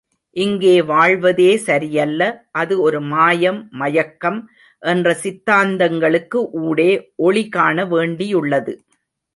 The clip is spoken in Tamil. இங்கே வாழ்வதே சரியல்ல அது ஒரு மாயம் மயக்கம் என்ற சித்தாந்தங்களுக்கு ஊடே ஒளி காண வேண்டியுள்ளது.